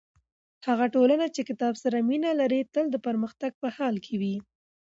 هغه ټولنه چې کتاب سره مینه لري تل د پرمختګ په حال کې وي.